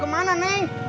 mau kemana neng